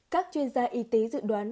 các chuyên gia y tế dự đoán